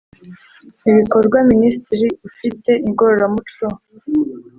ibikorwa Minisitiri ufite igororamuco